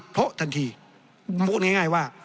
เพราะทันทีพูดง่ายว่า